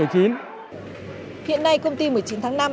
hiện nay công ty một mươi chín tháng năm